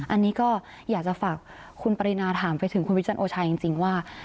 อันนี้ก็อยากจะฝากคุณปรินาถามไปถึงคุณประจันทร์โอชาจริงว่า